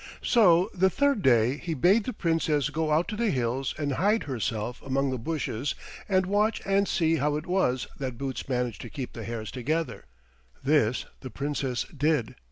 So the third day he bade the Princess go out to the hills and hide herself among the bushes and watch and see how it was that Boots managed to keep the hares together. This the Princess did.